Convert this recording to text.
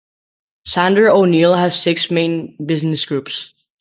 Sandler O'Neill has six main business groups.